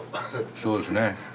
そうですね